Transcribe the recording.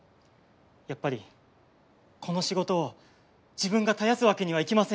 やっぱりこの仕事を自分が絶やすわけにはいきません。